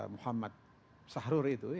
muhammad sahrur itu ya